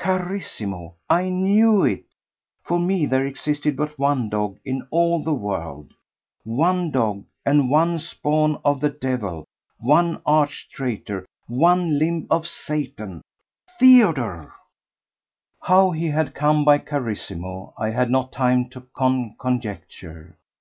Carissimo! I knew it! For me there existed but one dog in all the world; one dog and one spawn of the devil, one arch traitor, one limb of Satan! Theodore! How he had come by Carissimo I had not time to conjecture.